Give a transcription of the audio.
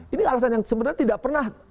ini alasan yang sebenarnya tidak pernah